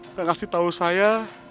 nggak kasih tau saya